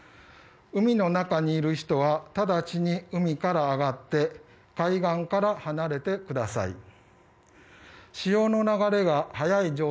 海の中にいる人は直ちに海から上がって海岸から離れてください。